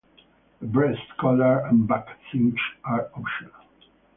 A breast collar and back cinch are optional.